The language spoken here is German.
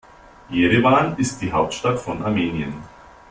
Jerewan ist die Hauptstadt von Armenien.